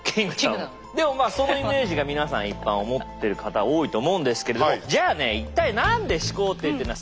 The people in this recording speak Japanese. でもまあそのイメージが皆さん一般思ってる方多いと思うんですけれどもじゃあね一体何で始皇帝っていうのはすごいのか。